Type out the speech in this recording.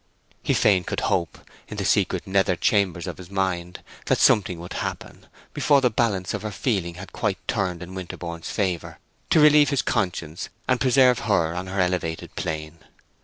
He fain could hope, in the secret nether chamber of his mind, that something would happen, before the balance of her feeling had quite turned in Winterborne's favor, to relieve his conscience and preserve her on her elevated plane.